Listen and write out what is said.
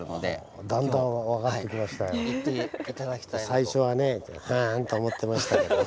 最初はね「はん」と思ってましたけどね。